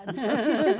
フフフフ！